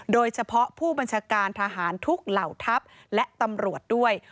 โดยเฉพาะผู้บัญชาการทหารทุกเหล่าทัพและตำรวจด้วย